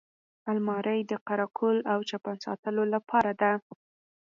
الماري د قره قل او چپن ساتلو لپاره ده